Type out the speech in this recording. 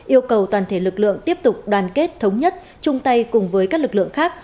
yêu cầu toàn thể lực lượng tiếp tục đoàn kết thống nhất chung tay cùng với các lực lượng khác